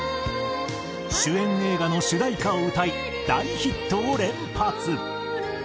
主演映画の主題歌を歌い大ヒットを連発。